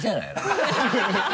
ハハハ